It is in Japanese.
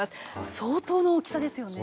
相当の大きさですよね。